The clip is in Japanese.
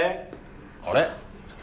あれ？